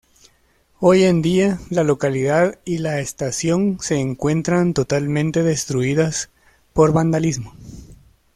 Hoy en día la localidad y la estación se encuentran totalmente destruidas por vandalismo.